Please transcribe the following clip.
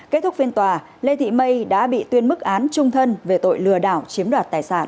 kết thúc phiên tòa lê thị mây đã bị tuyên mức án trung thân về tội lừa đảo chiếm đoạt tài sản